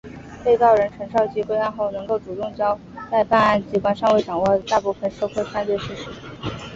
被告人陈绍基归案后能够主动交代办案机关尚未掌握的大部分受贿犯罪事实。